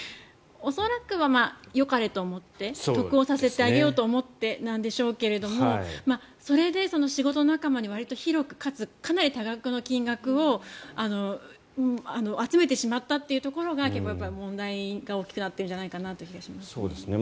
恐らくはよかれと思って得をさせてあげようと思ってなんでしょうけどそれで、仕事仲間にわりと広くかつ多額な金額を集めてしまったというところが問題が大きくなってるんじゃないかなという気がしますね。